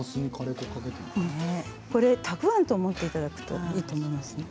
たくあんと思っていただくといいと思います。